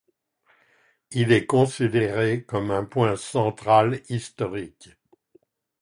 Il est considéré comme un point central historique.